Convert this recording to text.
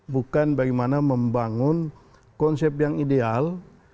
bukan bagaimana membangun konsep yang ideal